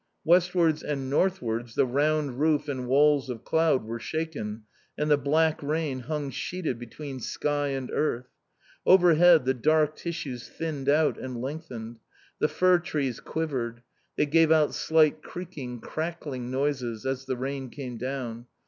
Westwards and northwards the round roof and walls of cloud were shaken and the black rain hung sheeted between sky and earth. Overhead the dark tissues thinned out and lengthened. The fir trees quivered; they gave out slight creaking, crackling noises as the rain came down.